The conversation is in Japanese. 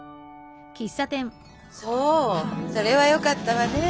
そうそれはよかったわね。